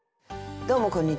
どうもこんにちは。